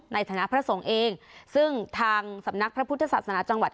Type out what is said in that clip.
ในฐานะพระสงฆ์เองซึ่งทางสำนักพระพุทธศาสนาจังหวัด